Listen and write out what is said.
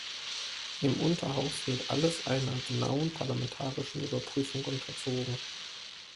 Im Unterhaus wird alles einer genauen parlamentarischen Überprüfung unterzogen.